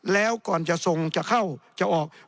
แล้วก่อนจะส่งจะเข้าจะออก